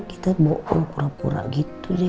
kita bawa pura pura gitu deh